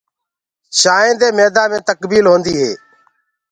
چآنٚينٚ دي ميدآ مي تڪبيل هوندي هي۔